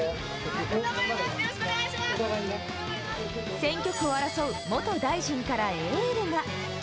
選挙区を争う元大臣からエールが。